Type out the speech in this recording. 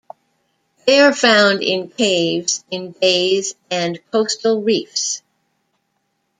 They are found in caves in bays and coastal reefs.